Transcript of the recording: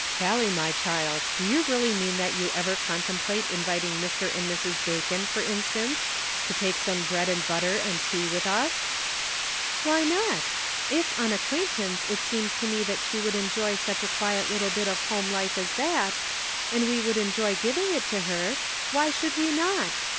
"Callie, my child, do you. really mean that 108 The Pocket Measure. you ever contemplate inviting Mr. and Mrs. Bacon, for instance, to take some bread and butter and tea with us?" " Why not ? If, on acquaintance, it seems to me that she would enjoy such a quiet little bit of home life as that, and we would enjoy giving it to her, why should we not?